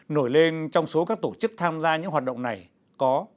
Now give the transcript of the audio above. nổi lên trong số các tổ chức tham gia nhân quyền tù nhân lương tâm nhà báo tự do